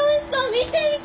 見て見て！